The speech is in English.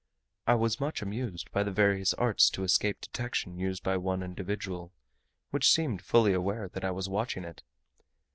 I was much amused by the various arts to escape detection used by one individual, which seemed fully aware that I was watching it.